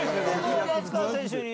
松川選手に。